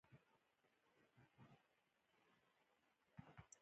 په افغانستان کې د رسوب ډېرې طبیعي منابع شته دي.